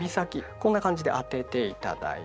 こんな感じで当てて頂いて。